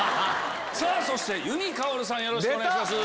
そして由美かおるさんよろしくお願いします。